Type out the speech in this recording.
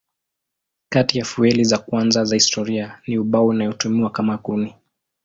Kati ya fueli za kwanza za historia ni ubao inayotumiwa kama kuni.